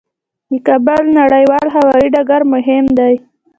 د کابل نړیوال هوايي ډګر مهم دی